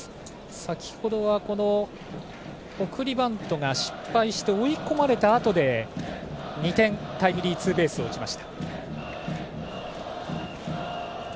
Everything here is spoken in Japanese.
先程は送りバントが失敗して追い込まれたあとで２点タイムリーツーベースを打ちました。